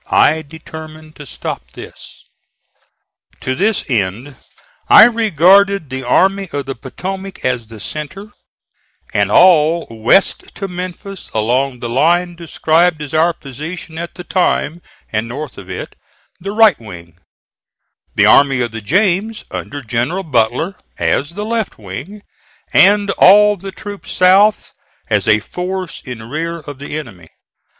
I determined to stop this. To this end I regarded the Army of the Potomac as the centre, and all west to Memphis along the line described as our position at the time, and north of it, the right wing; the Army of the James, under General Butler, as the left wing, and all the troops south, as a force in rear of the enemy.